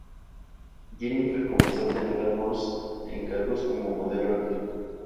Jennifer comenzó a tener algunos encargos como modelo erótica.